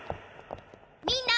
みんな！